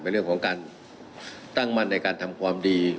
เรื่องของการตั้งมั่นในการทำความดี